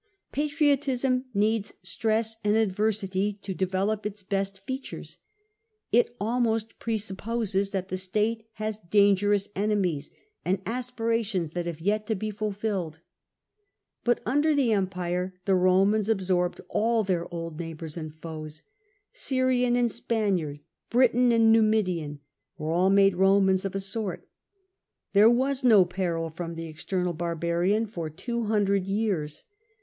Patriotism needs stress and adversity to develop its best features. It almost presupposes that the state has dangerous enemies, and aspirations that have yet to be fulfilled. But under the empire the Romans ab sorbed all their old neighbours and foes ; Syrian and Spaniard, Briton and Numidian, were all made Romans of a sort. There was no peril from the external bar barian for two hundred years.